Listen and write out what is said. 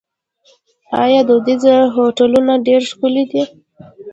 آیا دودیز هوټلونه ډیر ښکلي نه دي؟